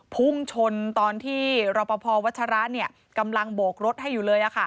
พุ่งชนตอนที่รอปภวัชระกำลังโบกรถให้อยู่เลย